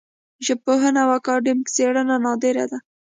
ژبپوهنه او اکاډمیک څېړنه نادره ده